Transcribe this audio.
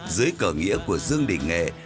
dưới cờ nghĩa của dương định nghệ